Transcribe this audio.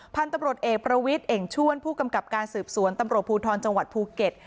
พันธุ์ตำรวจเอกประวิทย์เอ่งชวนผู้กำกับการสืบสวนตำรวจภูทรจังหวัดภูเก็ต